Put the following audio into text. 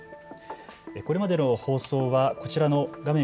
これまでの放送はこちらの画面